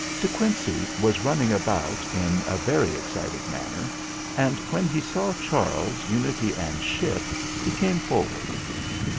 De Quincey was running about in a very excited manner, and when he saw Charles, Unity, and Ship he came forward.